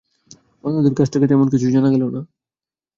অন্যদের কাছ থেকে তেমন কিছু জানা গেল না।